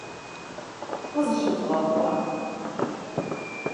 Къызыщывгъэхъуа?